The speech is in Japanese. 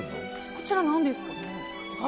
こちら、何ですかね。